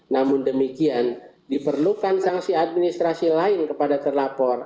namun demikian diperlukan sanksi administrasi lain kepada terlapor